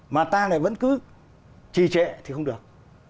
mà ta lại vẫn cứ trì trệ thì không được